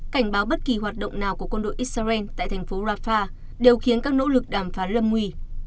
cảnh báo bất kỳ hoạt động nào của quân đội israel tại thành phố rafah đều khiến các nỗ lực đàm phán lâm nguy